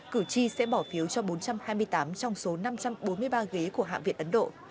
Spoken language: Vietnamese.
cử tri sẽ bỏ phiếu cho bốn trăm hai mươi tám trong số năm trăm bốn mươi ba ghế của hạ viện ấn độ